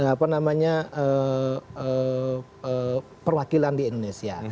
apa namanya perwakilan di indonesia